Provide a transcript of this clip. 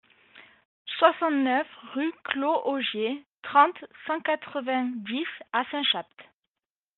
soixante-neuf rue Claux Augier, trente, cent quatre-vingt-dix à Saint-Chaptes